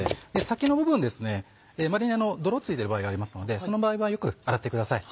先の部分まれに泥付いてる場合がありますのでその場合はよく洗ってください。